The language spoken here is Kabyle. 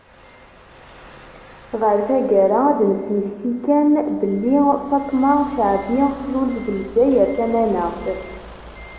Ɣer taggara, ad d-nesmekti kan belli, Faṭma Caɛbi tlul deg Lezzayer Tamaneɣ.